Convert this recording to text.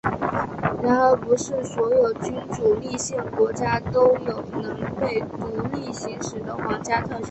然而不是所有君主立宪国家都有能被独立行使的皇家特权。